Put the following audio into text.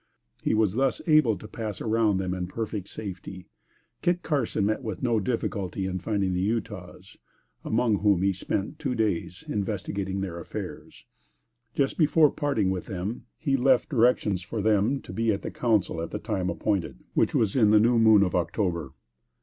He thus was able to pass around them in perfect safety. Kit Carson met with no difficulty in finding the Utahs, among whom he spent two days investigating their affairs. Just before parting with them, he left directions for them to be at the council at the time appointed, which was in the new moon of October.